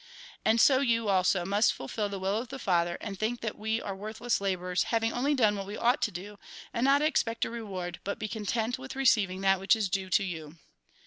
" And so you, also, must fulfil the will of the Father, and think that we are worthless labourers, having only done what we ought to do, and not expect a reward, but be content with receiving that which is due to you.